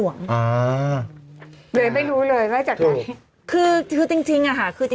โอเคโอเคโอเค